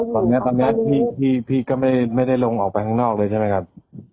ตอนเนี้ยตอนเนี้ยพี่พี่พี่ก็ไม่ได้ไม่ได้ลงออกไปข้างนอกเลยใช่ไหมครับ